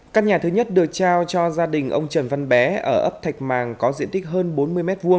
căn nhà thứ nhất được trao cho gia đình ông trần văn bé ở ấp thạch màng có diện tích hơn bốn mươi m hai